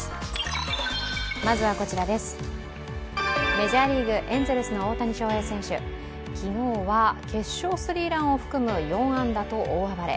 メジャーリーグ、エンゼルスの大谷翔平選手、昨日は決勝スリーランを含む４安打と大暴れ。